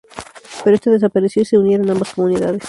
Pero esto desapareció y se unieron ambas comunidades.